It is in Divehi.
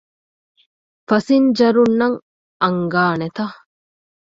ފަސިންޖަރުންނަށް އަންގާނެތަ؟